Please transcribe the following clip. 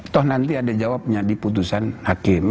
toh nanti ada jawabnya di putusan hakim